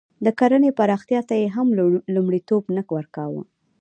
د کرنې پراختیا ته یې هم لومړیتوب نه ورکاوه.